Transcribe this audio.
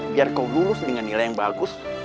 biar kau lulus dengan nilai yang bagus